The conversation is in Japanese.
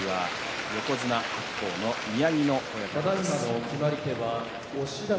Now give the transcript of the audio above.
横綱白鵬の宮城野親方です。